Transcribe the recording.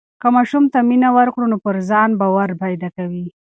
که ماشوم ته مینه ورکړو نو پر ځان باور پیدا کوي.